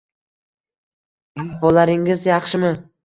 Ahvollaringiz yaxshimi?